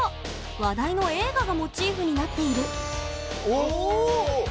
話題の映画がモチーフになっているおお！